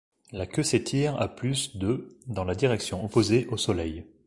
La queue s'étire à plus de dans la direction opposée au Soleil.